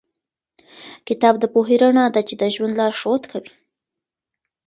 کتاب د پوهې رڼا ده چې د ژوند لارښود کوي.